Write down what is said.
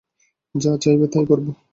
যা চাইবে তাই করবো।